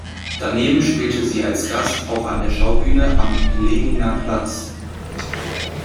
Daneben spielte sie als Gast auch an der Schaubühne am Lehniner Platz.